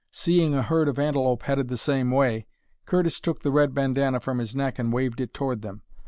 Seeing a herd of antelope headed the same way, Curtis took the red bandanna from his neck and waved it toward them.